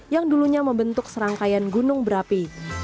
yang dulunya membentuk serangkaian gunung berapi